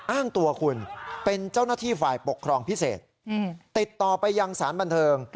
อ้างตัวคุณเป็นเจ้าหน้าที่ฝ่ายปกครองพิเศษติดต่อไปยังสารบันเทิง